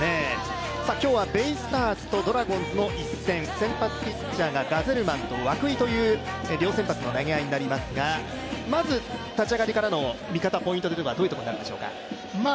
今日はベイスターズとドラゴンズの一戦先発ピッチャーがガゼルマンと涌井という投げ合いになりますがまず立ち上がりからの見方のポイントはどういうところになるでしょうか。